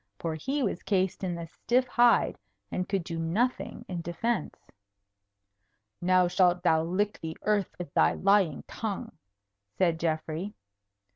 For he was cased in the stiff hide, and could do nothing in defence. "Now shalt thou lick the earth with thy lying tongue," said Geoffrey.